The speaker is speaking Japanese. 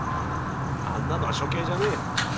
あんなのは処刑じゃねえ！